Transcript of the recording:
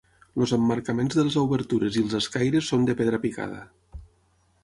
Els emmarcaments de les obertures i els escaires són de pedra picada.